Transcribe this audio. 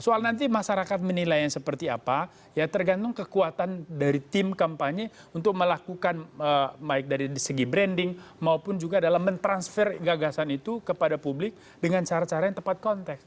soal nanti masyarakat menilainya seperti apa ya tergantung kekuatan dari tim kampanye untuk melakukan baik dari segi branding maupun juga dalam mentransfer gagasan itu kepada publik dengan cara cara yang tepat konteks